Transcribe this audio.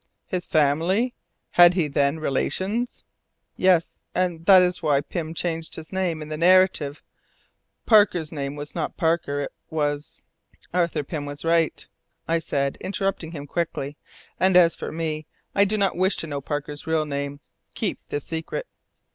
"His family! Had he then relations?" "Yes and that is why Pym changed his name in the narrative. Parker's name was not Parker it was " "Arthur Pym was right," I said, interrupting him quickly, "and as for me, I do not wish to know Parker's real name. Keep this secret."